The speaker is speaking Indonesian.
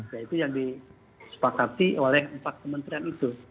ya itu yang disepakati oleh empat kementerian itu